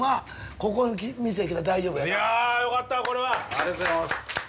ありがとうございます。